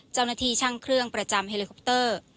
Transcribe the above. เจ้าหน้าที่ช่างเครื่องประจำเฮลิคอปเตอร์